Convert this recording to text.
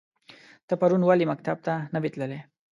ته پرون ولی مکتب ته نه وی تللی؟